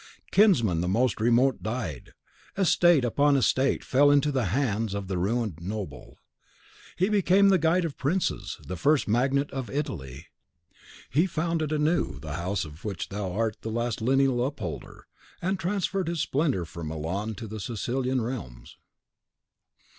Kinsmen the most remote died; estate upon estate fell into the hands of the ruined noble. He became the guide of princes, the first magnate of Italy. He founded anew the house of which thou art the last lineal upholder, and transferred his splendour from Milan to the Sicilian realms.